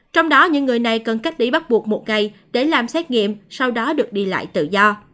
trong đó những người này cần cách ly bắt buộc một ngày để làm xét nghiệm sau đó được đi lại tự do